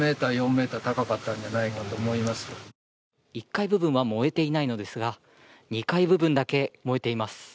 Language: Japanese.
１階部分は燃えていないんですが２階部分だけ燃えています。